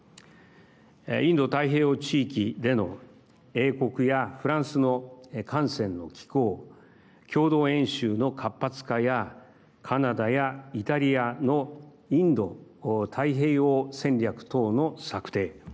インド太平洋地域での英国やフランスの艦船の寄港共同演習の活発化やカナダやイタリアのインド太平洋戦略等の策定。